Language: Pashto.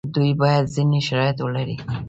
دوی باید ځینې شرایط ولري.